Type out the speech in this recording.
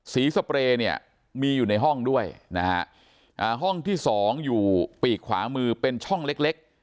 สเปรย์เนี่ยมีอยู่ในห้องด้วยนะฮะห้องที่สองอยู่ปีกขวามือเป็นช่องเล็ก